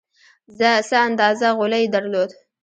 څه اندازه غولی یې درلود.